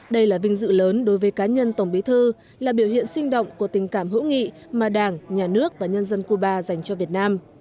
đây là vinh dự lớn đối với cá nhân tổng bí thư là biểu hiện sinh động của tình cảm hữu nghị mà đảng nhà nước và nhân dân cuba dành cho việt nam